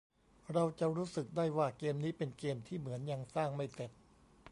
เราจะรู้สึกได้ว่าเกมนี้เป็นเกมที่เหมือนยังสร้างไม่เสร็จ